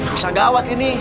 susah gawat ini